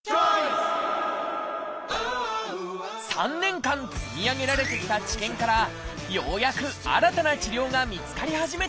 ３年間積み上げられてきた知見からようやく新たな治療が見つかり始めています。